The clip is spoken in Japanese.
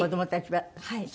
はい。